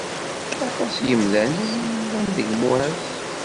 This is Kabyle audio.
Aṭas n yemdanen i yellan deg imuṛas.